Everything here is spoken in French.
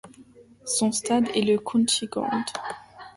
Son stade est le County Ground.